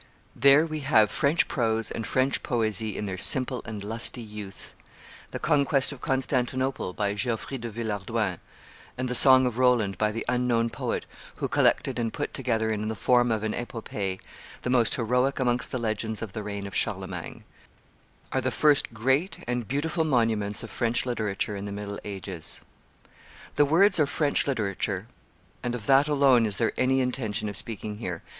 There we have French prose and French poesy in their simple and lusty youth; the Conquest of Constantinople by Geoffrey de Villehardouin, and the Song of Roland by the unknown poet who collected and put together in the form of an epopee the most heroic amongst the legends of the reign of Charlemagne, are the first great and beautiful monuments of French literature in the middle ages. The words are French literature; and of that alone is there any intention of speaking here.